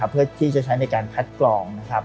เพื่อที่จะใช้ในการคัดกรอง